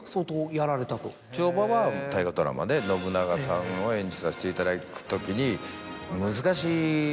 乗馬は大河ドラマで信長さんを演じさせていただく時に。